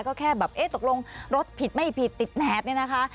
ก็แค่แบบเอ๊ะตกลงรถผิดไม่ผิดติดแนบเนี่ยนะคะ